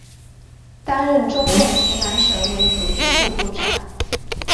担任中共湖南省委组织部部长。